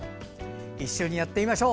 一緒にやってみましょう。